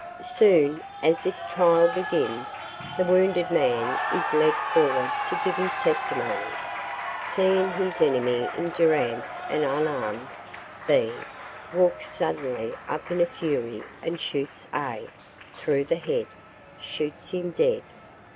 Soon as this trial begins the wounded man is led forward to give his testimony. Seeing his enemy in durance and unarm'd, B. walks suddenly up in a fury and shoots A. through the head shoots him dead.